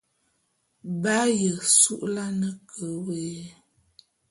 B'aye su'ulane ke wôé.